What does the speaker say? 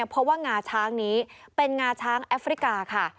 เพราะว่างาช้างนี้เป็นงาช้างแอฟริกาค่ะ